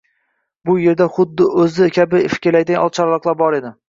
Bu yerda xuddi o‘zi kabi fikrlaydigan oqcharloqlar bor edi.